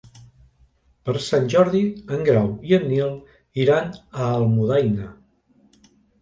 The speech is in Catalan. Per Sant Jordi en Grau i en Nil iran a Almudaina.